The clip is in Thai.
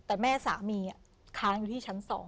แต่แม่สามีค้างอยู่ที่ชั้น๒